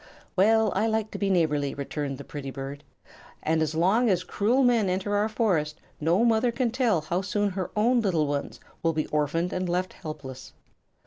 "Well, I like to be neighborly," returned the pretty bird; "and as long as cruel men enter our forest no mother can tell how soon her own little ones will be orphaned and left helpless."